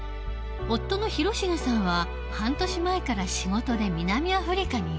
夫の広重さんは半年前から仕事で南アフリカにいる。